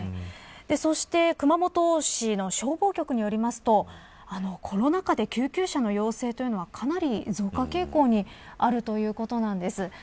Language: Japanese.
そして熊本市の消防局によるとコロナ禍で救急車の要請というのがかなり増加傾向にあるということなんです。